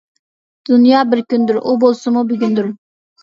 دۇنيا بىر كۈندۇر، ئۇ بولسىمۇ بۈگۈندۇر!